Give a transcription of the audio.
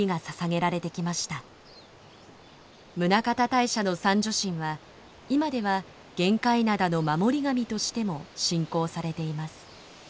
宗像大社の三女神は今では玄界灘の守り神としても信仰されています。